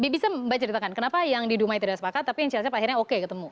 bisa mbak ceritakan kenapa yang di dumai tidak sepakat tapi yang jelasnya akhirnya oke ketemu